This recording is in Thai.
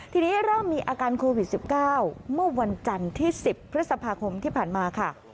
ทีนี้เริ่มมีอาการโควิด๑๙เมื่อวันจันทร์ที่๑๐พฤษภาคมที่ผ่านมาค่ะ